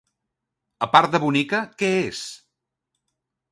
A part de bonica, què és?